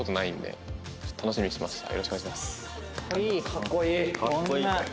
かっこいい！